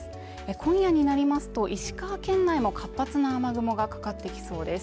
今夜になりますと石川県内も活発な雨雲がかかってきそうです。